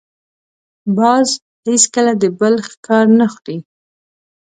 باز هېڅکله د بل ښکار نه خوري